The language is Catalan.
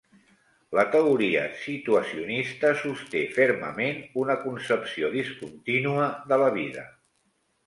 La teoria situacionista sosté fermament una concepció discontínua de la vida.